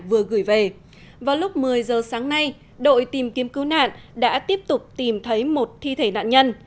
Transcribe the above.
vừa gửi về vào lúc một mươi giờ sáng nay đội tìm kiếm cứu nạn đã tiếp tục tìm thấy một thi thể nạn nhân